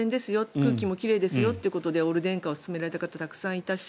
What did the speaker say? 空気も奇麗ですよということでオール電化を勧められた人がたくさんいたし。